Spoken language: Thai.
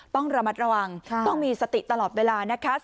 ต้องระมัดระวังต้องมีสติตลอดเวลานะคะ